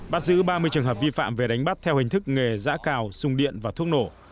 bắt giữ ba mươi trường hợp vi phạm về đánh bắt theo hình thức nghề giã cào sung điện và thuốc nổ